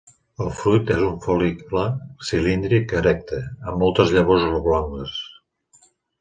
El fruit és un fol·licle cilíndric erecte, amb moltes llavors oblongues.